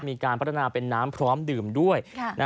มีการพัฒนาเป็นน้ำพร้อมดื่มด้วย